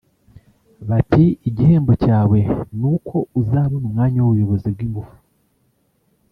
bati igihembo cyawe n’uko uzabona umwanya w’ubuyobozi bw’ingufu